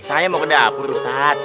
saya mau ke dapur ustadz